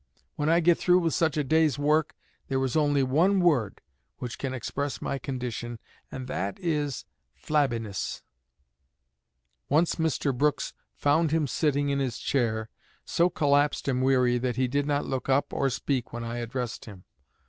When I get through with such a day's work there is only one word which can express my condition, and that is flabbiness." Once Mr. Brooks "found him sitting in his chair so collapsed and weary that he did not look up or speak when I addressed him.